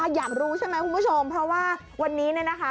อยากรู้ใช่ไหมคุณผู้ชมเพราะว่าวันนี้เนี่ยนะคะ